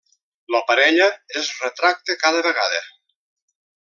La parella es retracta cada vegada.